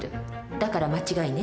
だから間違いね。